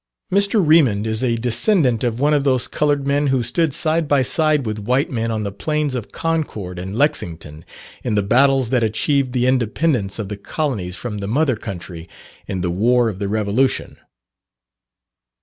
Mr. Remond is a descendant of one of those coloured men who stood side by side with white men on the plains of Concord and Lexington, in the battles that achieved the independence of the colonies from the mother country, in the war of the Revolution.